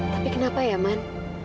tapi kenapa ya man